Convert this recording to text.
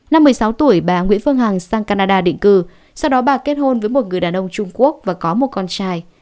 năm một mươi sáu tuổi bà nguyễn phương hằng sang canada định cư sau đó bà kết hôn với một người đàn ông trung quốc và có một con trai